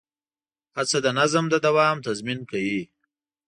هڅه د نظم د دوام تضمین کوي.